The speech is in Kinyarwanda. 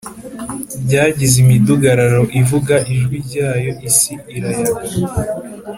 Byagize imidugararo ivuga ijwi ryayo isi irayaga